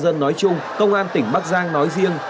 công an nhân dân nói chung công an tỉnh bắc giang nói riêng